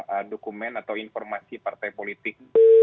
itu adalah dokumen atau informasi partai politik